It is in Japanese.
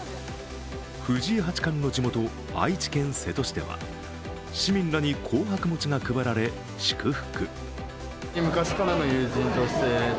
藤井八冠の地元・愛知県瀬戸市では市民らに紅白餅が配られ、祝福。